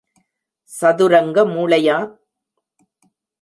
சதுரங்க மூளையா?